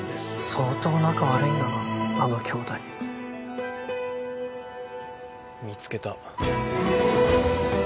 相当仲悪いんだなあの兄弟見つけた。